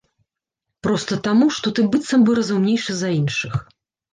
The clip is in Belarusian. Проста таму, што ты быццам бы разумнейшы за іншых.